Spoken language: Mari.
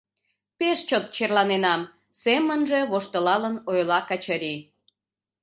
— Пеш чот черланенам, — семынже воштылалын, ойла Качырий.